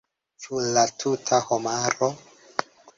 Ĉu la tuta homaro?